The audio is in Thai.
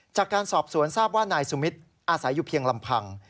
จากการสอบสวนทราบว่านายสุมิตรอาศัยอยู่เพียงลำพัง